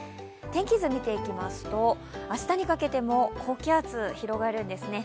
天気図を見ていきますと、明日にかけても高気圧が広がるんですね。